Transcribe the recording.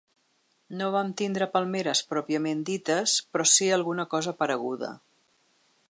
No vam tindre palmeres pròpiament dites, però sí alguna cosa pareguda.